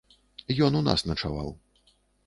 Ён у нас начаваў.